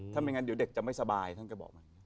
ถ้าไม่งั้นเดี๋ยวเด็กจะไม่สบายท่านก็บอกมาอย่างนี้